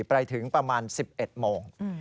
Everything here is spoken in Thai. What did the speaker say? ไปถึงประมาณ๑๑โมง